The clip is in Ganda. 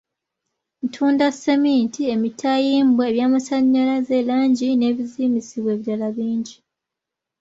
Ntunda sseminti, emitayimbwa, ebyamasannyalaze, langi n'ebizimbisibwa ebirala bingi.